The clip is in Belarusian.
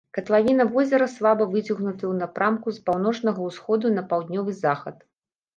Катлавіна возера слаба выцягнутая ў напрамку з паўночнага ўсходу на паўднёвы захад.